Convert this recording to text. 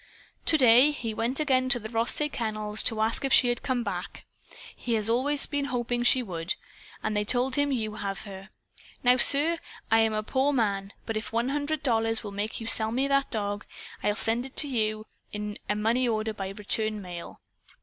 "To day he went again to the Rothsay Kennels to ask if she had come back. He has always been hoping she would. And they told him you have her. Now, sir, I am a poor man, but if one hundred dollars will make you sell me that dog, I'll send it to you in a money order by return mail.